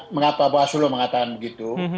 mengapa bawaslu mengatakan begitu